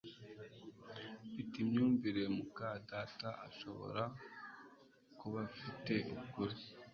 Mfite imyumvire muka data ashobora kuba afite ukuri